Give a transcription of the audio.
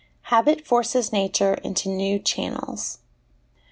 Habit forces Nature into New Channels.